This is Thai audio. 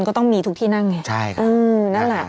ก็ต้องมีทุกที่นั่งไง